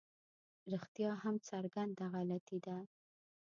رښتیا هم څرګنده غلطي ده.